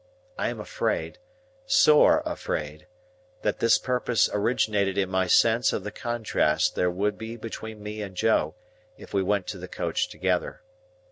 I am afraid—sore afraid—that this purpose originated in my sense of the contrast there would be between me and Joe, if we went to the coach together.